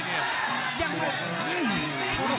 ยังบวก